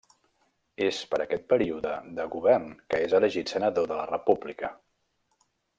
És per aquest període de govern que és elegit senador de la República.